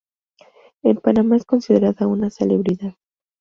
En Panamá es considerada una "celebridad".